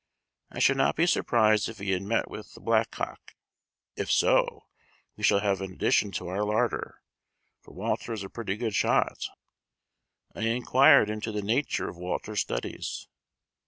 I should not be surprised if he had met with the blackcock; if so, we shall have an addition to our larder, for Walter is a pretty sure shot." I inquired into the nature of Walter's studies.